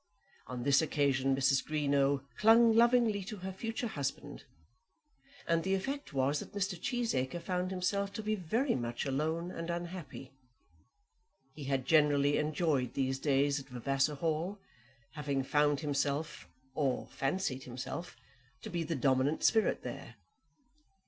On this occasion Mrs. Greenow clung lovingly to her future husband, and the effect was that Mr. Cheesacre found himself to be very much alone and unhappy. He had generally enjoyed these days at Vavasor Hall, having found himself, or fancied himself, to be the dominant spirit there.